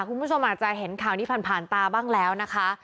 คุณผู้ชมอาจจะเห็นข่าวนี้ผ่านผ่านตาบ้างแล้วนะคะ